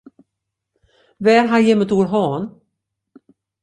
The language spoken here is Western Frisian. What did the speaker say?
Wêr ha jim it oer hân?